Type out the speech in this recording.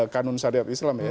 kanun syariat islam ya